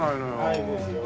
ないですよ。